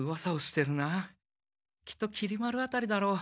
きっときり丸あたりだろう。